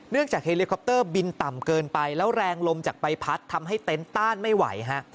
จากเฮลิคอปเตอร์บินต่ำเกินไปแล้วแรงลมจากใบพัดทำให้เต็นต์ต้านไม่ไหวฮะ